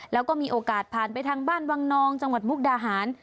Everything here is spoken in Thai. แล้วก็มีโอกาสผ่านไปทางบ้านวังนองจังหวัดมุกดาหาร